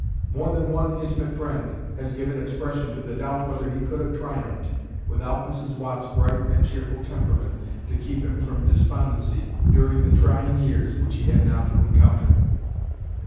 More than one intimate friend has given expression to the doubt whether he could have triumphed without Mrs. Watt's bright and cheerful temperament to keep him from despondency during the trying years which he had now to encounter.